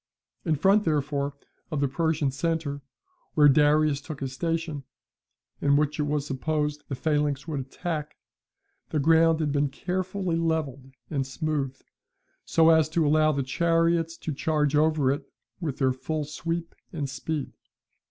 In front, therefore, of the Persian centre, where Darius took his station, and which it was supposed the phalanx would attack, the ground had been carefully levelled and smoothed, so as to allow the chariots to charge over it with their full sweep and speed.